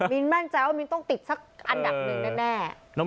มินมั่นใจว่ามินต้องติดสักอันดับหนึ่งแน่